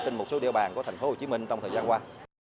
trên một số địa bàn của tp hcm trong thời gian qua